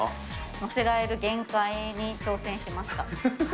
載せられる限界に挑戦しまし